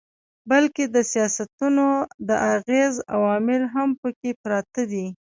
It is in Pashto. بلکي د سياستونو د اغېز عوامل هم پکښې پراته دي